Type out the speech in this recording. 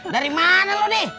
dari mana lu deh